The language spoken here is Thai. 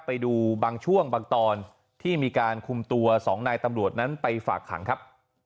ไปดูบางช่วงบางตอนที่มีการคุมตัว๒นายตำรวจนั้นไปฝากขังครับ